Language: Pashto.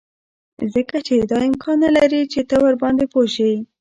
ځکه چې دا امکان نلري چې ته ورباندې پوه شې